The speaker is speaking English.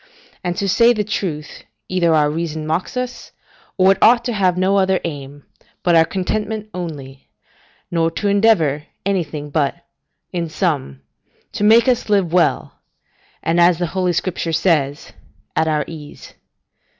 And to say the truth, either our reason mocks us, or it ought to have no other aim but our contentment only, nor to endeavour anything but, in sum, to make us live well, and, as the Holy Scripture says, at our ease.